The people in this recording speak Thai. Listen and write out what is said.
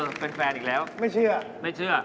เป็นแฟนอีกแล้วไม่เชื่อไม่เชื่อ